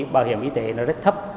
bảo hiểm y tế rất thấp